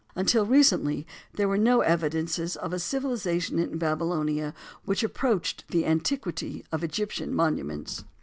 Until recently there were no evidences of a civilization in Babylonia which approached the antiquity of Egyptian monuments.